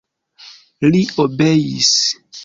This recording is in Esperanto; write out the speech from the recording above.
Li obeis.